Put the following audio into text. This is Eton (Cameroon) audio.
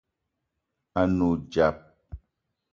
A ne odzap